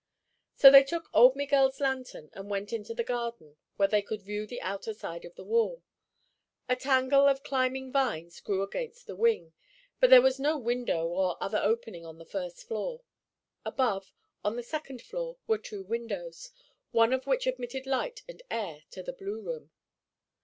So they took old Miguel's lantern and went into the garden where they could view the outer side of the wall. A tangle of climbing vines grew against the wing, but there was no window or other opening on the first floor. Above, on the second floor, were two windows, one of which admitted light and air to the blue room.